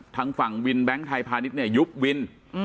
ทางฝั่งวินแบงค์ไทยพาณิชย์เนี่ยยุบวิน